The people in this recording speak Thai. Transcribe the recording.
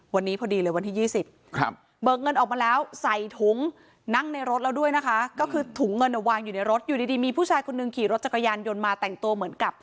วันนี้พอดีเลยวันที่๒๐เบิกเงินออกมาแล้วใส่ถุงนั่งในรถแล้วด้วยนะคะก็คือถุงเงินวางอยู่ในรถอยู่ดีมีผู้ชายคนหนึ่งขี่รถจักรยานยนต์มาแต่งตัวเหมือนกับ